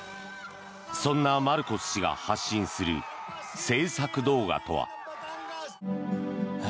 そんなマルコス氏が発信する政策動画とは。